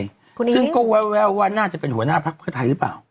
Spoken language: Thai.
ซึ่งก็แววว่าน่าจะเป็นหัวหน้าพักเพื่อไทยหรือเปล่า